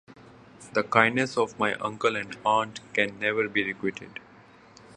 The kindness of my uncle and aunt can never be requited.